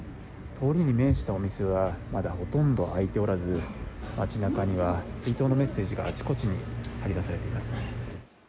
通りに面したお店はまだほとんど開いておらず、街なかには追悼のメッセージがあちこちに貼り出されています。